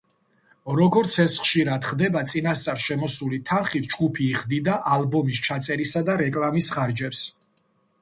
როგორც ეს ხშირად ხდება, წინასწარ შემოსული თანხით ჯგუფი იხდიდა ალბომის ჩაწერისა და რეკლამის ხარჯებს.